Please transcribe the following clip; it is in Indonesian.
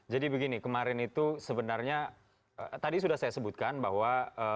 jadi begini kemarin itu sebenarnya tadi sudah saya sebutkan bahwa